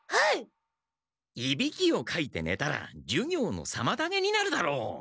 いびきをかいてねたら授業のさまたげになるだろう！